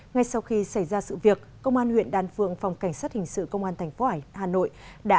ngay sau khi xảy ra sự việc công an huyện đan phượng phòng cảnh sát hình sự công an tp hà nội